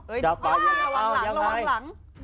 เดี๋ยวระวังหลังระวังหลัง